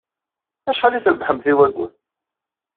Acḥal ay trebbḥemt i wayyur?